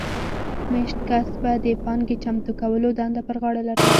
مېشت کس به د پانګې چمتو کولو دنده پر غاړه لرله